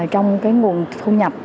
trong nguồn thu nhập